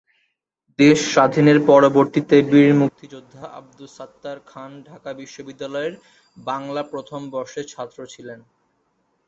দেশ স্বাধীনের পরবর্তীতে বীর মুক্তিযোদ্ধা আব্দুস সাত্তার খাঁন ঢাকা বিশ্ববিদ্যালয়ের বাংলা প্রথম বর্ষের ছাত্র ছিলেন।